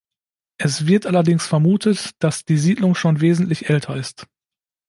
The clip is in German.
Es wird allerdings vermutet, dass die Siedlung schon wesentlich älter ist.